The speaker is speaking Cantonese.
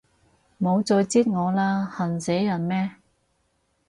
唔好再擳我啦，痕死人咩